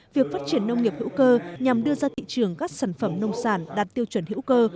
việc phát triển nông nghiệp hữu cơ nhằm đưa ra thị trường các sản phẩm nông sản đạt tiêu chuẩn hữu cơ